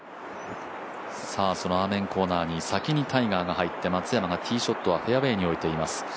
そのアーメンコーナーに先にタイガーが入って、松山がティーショットはフェアウエーに置いています。